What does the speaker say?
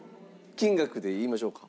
金額で言いましょうか？